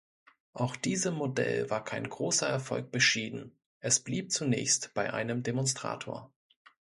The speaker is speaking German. Auch diesem Modell war kein großer Erfolg beschieden, es blieb zunächst bei einem Demonstrator.